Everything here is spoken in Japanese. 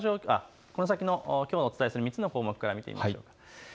きょうお伝えする３つの項目から見ていきましょう。